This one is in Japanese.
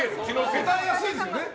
答えやすいですよね。